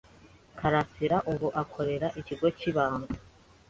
karasira ubu akorera ikigo cyibanga.